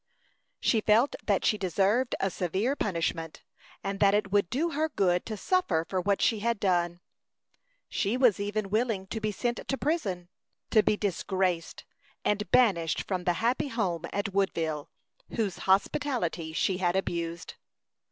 She felt that she deserved a severe punishment, and that it would do her good to suffer for what she had done. She was even willing to be sent to prison, to be disgraced, and banished from the happy home at Woodville, whose hospitality she had abused.